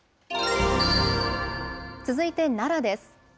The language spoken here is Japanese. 続いて奈良です。